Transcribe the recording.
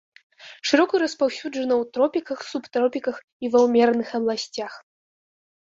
Шырока распаўсюджана ў тропіках, субтропіках і ва ўмераных абласцях.